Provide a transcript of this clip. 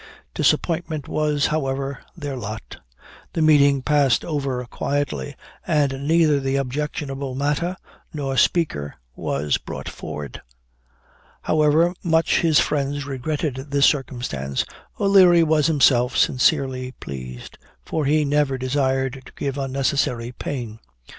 Disappointment was, however, their lot. The meeting passed over quietly, and neither the objectionable matter nor speaker was brought forward. However much his friends regretted this circumstance, O'Leary was himself sincerely pleased; for he never desired to give unnecessary pain.